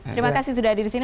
terima kasih sudah hadir disini